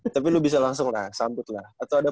tapi lu bisa langsung lah sambut lah atau ada